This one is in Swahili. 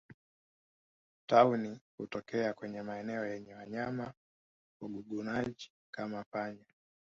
Tauni hutokea kwenye maeneo yenye wanyama wagugunaji kama panya